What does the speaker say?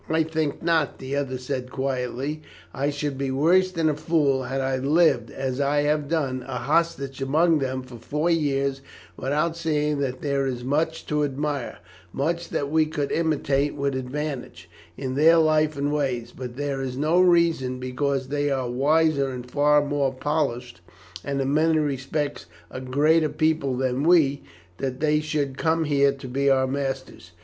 "I think not," the other said quietly; "I should be worse than a fool had I lived, as I have done, a hostage among them for four years without seeing that there is much to admire, much that we could imitate with advantage, in their life and ways; but there is no reason because they are wiser and far more polished, and in many respects a greater people than we, that they should come here to be our masters.